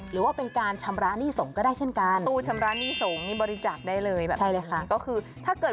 หรือว่าเป็นการชำระหนี้สงก็ได้